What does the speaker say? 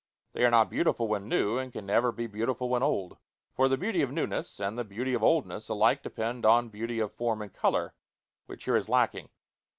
They are not beautiful when new, and can never be beautiful when old; for the beauty of newness and the beauty of oldness alike depend on beauty of form and color, which here is lacking.